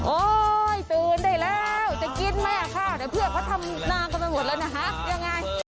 ตื่นได้แล้วจะกินแม่ค่ะเดี๋ยวเพื่อนเขาทำนางกันไปหมดแล้วนะคะยังไง